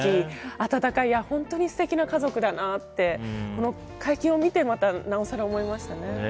温かい本当に素敵な家族だなって会見を見てなおさら思いましたね。